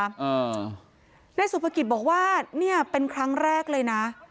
อ่านายสุภกิจบอกว่าเนี่ยเป็นครั้งแรกเลยนะ